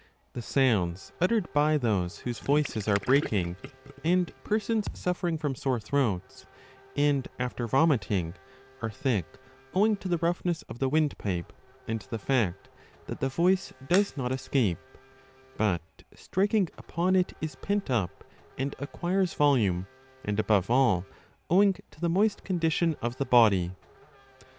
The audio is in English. The sounds uttered by those whose voices are breaking and persons suffering from sore throats, and after vomiting, are thick owing to the roughness of the windpipe and the fact that the voice does not escape, but striking upon it is pent up and acquires volume ; and above all, 20 owing to the moist condition of the body.